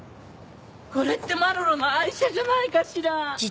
これってマロロの愛車じゃないかしら？